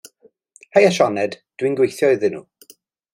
Haia Sioned, dwi'n gweithio iddyn nhw.